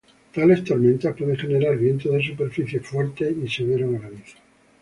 Tales tormentas pueden generar vientos de superficie fuertes y severo granizo.